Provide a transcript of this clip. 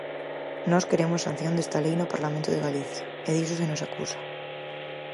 Nós queremos sanción desta lei no Parlamento de Galicia, e diso se nos acusa.